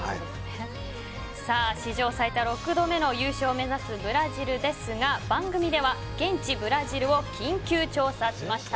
史上最多６度目の優勝を目指すブラジルですが番組では現地・ブラジルを緊急調査しました。